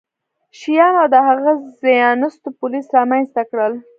شیام او د هغه ځایناستو پولیس رامنځته کړل